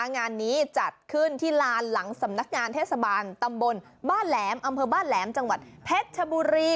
งานนี้จัดขึ้นที่ลานหลังสำนักงานเทศบาลตำบลบ้านแหลมอำเภอบ้านแหลมจังหวัดเพชรชบุรี